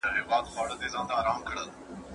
¬ د هر چا آب پخپل لاس کي دئ.